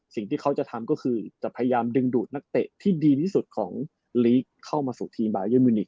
สิ่งที่เขาจะทำก็คือจะพยายามดึงดูดนักเตะที่ดีที่สุดของลีกเข้ามาสู่ทีมบายันมิวนิก